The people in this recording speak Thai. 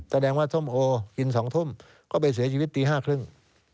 แสดงว่าส้มโอกิน๒ทุ่มก็ไปเสียชีวิตตีห้าครึ่ง